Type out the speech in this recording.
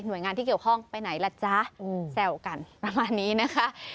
โดยงานที่เกี่ยวข้องไปไหนล่ะจ๊ะแซวกันประมาณนี้นะคะ